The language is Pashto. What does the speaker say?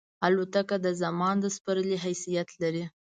الوتکه د زمان د سپرلۍ حیثیت لري.